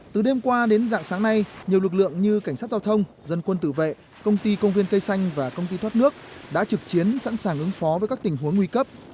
từ đêm qua đến dạng sáng nay nhiều lực lượng như cảnh sát giao thông dân quân tự vệ công ty công viên cây xanh và công ty thoát nước đã trực chiến sẵn sàng ứng phó với các tình huống nguy cấp